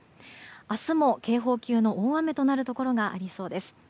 明日も、警報級の大雨となるところがありそうです。